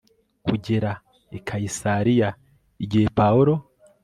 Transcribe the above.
kugera i kayisariya igihe pawulo